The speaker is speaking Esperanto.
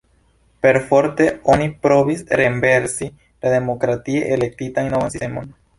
Perforte oni provis renversi la demokratie elektitan novan sistemon.